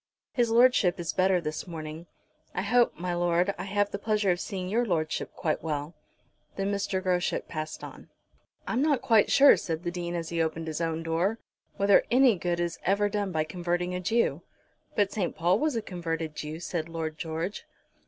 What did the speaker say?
"His Lordship is better this morning. I hope, my Lord, I have the pleasure of seeing your Lordship quite well." Then Mr. Groschut passed on. "I'm not quite sure," said the Dean, as he opened his own door, "whether any good is ever done by converting a Jew." "But St. Paul was a converted Jew," said Lord George.